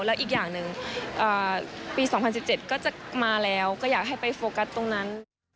แล้วอีกอย่างหนึ่งปี๒๐๑๗ก็จะมาแล้วก็อยากให้ไปโฟกัสตรงนั้น